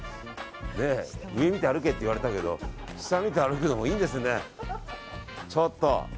上見て歩けって言われたけど下見て歩くのもいいですね。